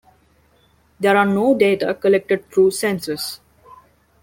There are no data collected through census.